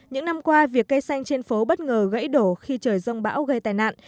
những năm qua việc cây xanh trên phố bất ngờ gãy đổ khi trời rông bão gây tai nạn